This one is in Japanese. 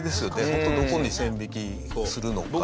本当、どこに線引きするのか。